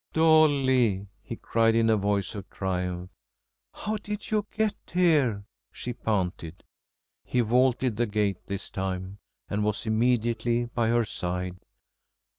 "Dolly!" he cried, in a voice of triumph. "How did you get here?" she panted. He vaulted the gate this time, and was immediately by her side.